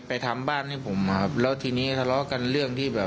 คุณต้องการรู้สิทธิ์ของเขา